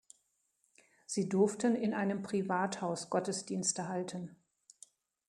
Sie durften in einem Privathaus Gottesdienste halten.